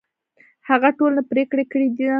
هغه ټولنې پرېکړه کړې ده